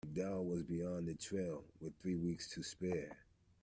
And MacDougall was beyond the trail, with three weeks to spare.